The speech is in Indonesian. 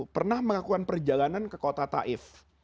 pernah melakukan perjalanan ke kota taif